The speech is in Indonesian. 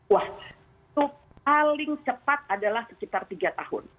wah itu paling cepat adalah sekitar tiga tahun